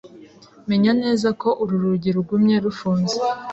Menya neza ko uru rugi rugumye rufunze.